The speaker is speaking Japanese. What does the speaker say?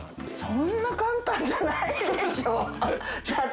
そんな簡単じゃないでしょ。